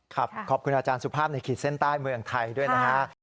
ขอบคุณอาจารย์สุภาพในขีดเส้นใต้เมืองไทยด้วยนะฮะ